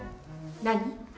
何？